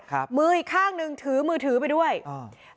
มืออีกข้างหนึ่งถือมือถือไปด้วยอ่า